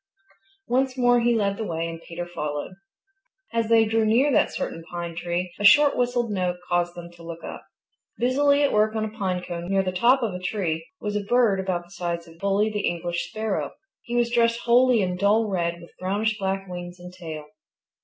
Once more he led the way and Peter followed. As they drew near that certain pine tree, a short whistled note caused them to look up. Busily at work on a pine cone near the top of a tree was a bird about the size of Bully the English Sparrow. He was dressed wholly in dull red with brownish black wings and tail.